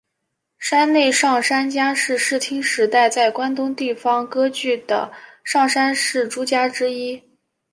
山内上杉家是室町时代在关东地方割据的上杉氏诸家之一。